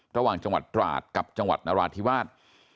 ระหว่างจังหวัดตราดกับจังหวัดนราธิวาส